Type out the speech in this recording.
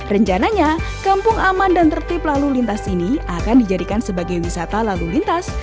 rencananya kampung aman dan tertib lalu lintas ini akan dijadikan sebagai wisata lalu lintas